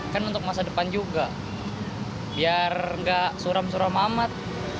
kan untuk masa depan juga biar nggak suram suram amat